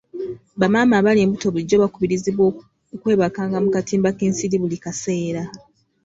Bamaama abali embuto bulijjo bakubirizibwa okwebakanga mu katimba k'ensiri buli kaseera.